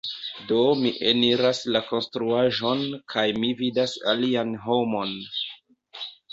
Do mi eniras la konstruaĵon kaj mi vidas alian homon.